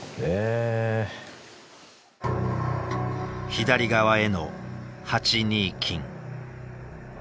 左側への８二金。